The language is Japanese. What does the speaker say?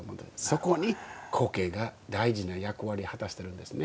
そこに苔が大事な役割を果たしているんですね。